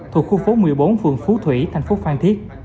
thuộc khu phố một mươi bốn phường phú thủy thành phố phan thiết